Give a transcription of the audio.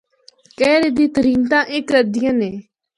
کہرے دیاں تریمتاں اے کردیاں نے۔